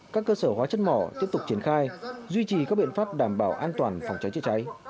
các cơ sở hóa chất mỏ tiếp tục triển khai duy trì các biện pháp đảm bảo an toàn phòng cháy chữa cháy